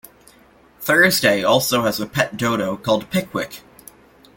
Thursday also has a pet dodo called Pickwick.